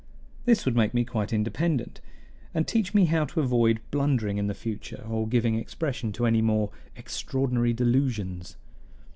This would make me quite independent, and teach me how to avoid blundering in the future, or giving expression to any more "extraordinary delusions."